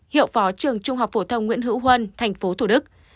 hiệu phó trường trung học phổ thông nguyễn hữu huân thành phố thủ đức